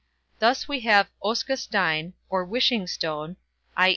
Thus we have oska steinn, wishing stone, i.